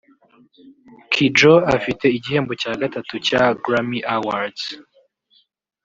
Kijdo afite igihembo cya gatatu cya Grammy Awards